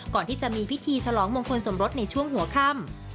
ก่อนที่จะมีพิธีฉลองมงคลสมรสในช่วงหัวค่ำ